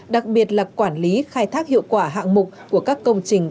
đặc biệt là quản lý khai thác hiệu quả hạng mục của các công trình